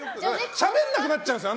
しゃべらなくなっちゃうんですよ